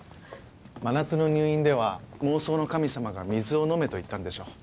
真夏の入院では妄想の神様が「水を飲め」と言ったんでしょう。